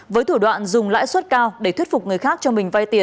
với thủ đoạn dùng lãi suất cao để thuyết phục người khác cho mình vay tiền